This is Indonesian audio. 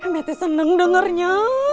mbak ate seneng dengarnya